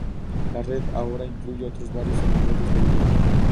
La red ahora incluye otros varios servidores de video.